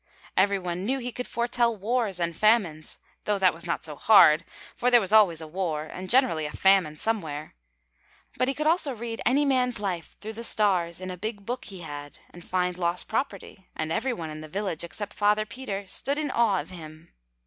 Every one knew he could foretell wars and famines, though that was not so hard, for there was always a war and generally a famine somewhere. But he could also read any man’s life through the stars in a big book he had, and find lost property, and every one in the village except Father Peter stood in awe of him.